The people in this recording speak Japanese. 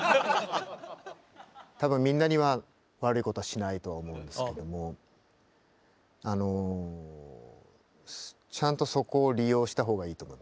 多分みんなには悪いことはしないと思うんですけどもあのちゃんとそこを利用した方がいいと思います。